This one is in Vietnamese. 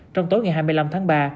trong tối ngày hai mươi năm tháng ba